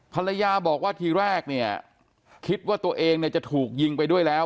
ภรรยาบอกว่าทีแรกเนี่ยคิดว่าตัวเองเนี่ยจะถูกยิงไปด้วยแล้ว